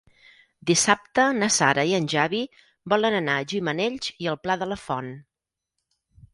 Dissabte na Sara i en Xavi volen anar a Gimenells i el Pla de la Font.